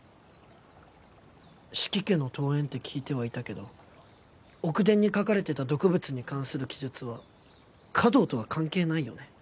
四鬼家の遠縁って聞いてはいたけど『奥伝』に書かれてた毒物に関する記述は華道とは関係ないよね？